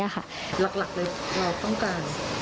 หลักเลยเราต้องการ